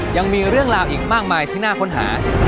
ยังมีเรื่องราวอีกมากมายที่น่าค้นหา